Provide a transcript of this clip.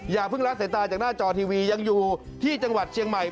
อย่าเพิ่งละสายตาจากหน้าจอทีวียังอยู่ที่จังหวัดเชียงใหม่